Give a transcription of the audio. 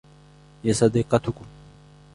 هي صديقتكم.